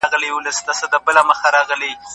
ده په خپله صافه باندې د ژوند د پاڼو ګردونه څنډل.